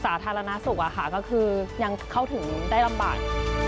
สาธารณสุขก็คือยังเข้าถึงได้ลำบาก